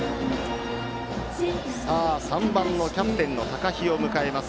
３番のキャプテン高陽を迎えます。